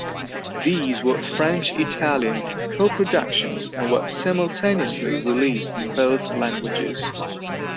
These were French-Italian coproductions and were simultaneously released in both languages.